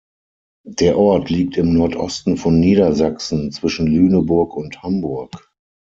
Der Ort liegt im Nordosten von Niedersachsen, zwischen Lüneburg und Hamburg.